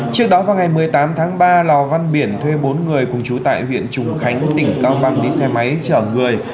trước đó vào ngày một mươi tám tháng ba lò văn biển thuê bốn người cùng chú tại huyện trùng khánh tỉnh cao bằng đi xe máy chở người